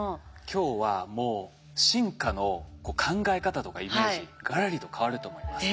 今日はもう進化の考え方とかイメージガラリと変わると思います。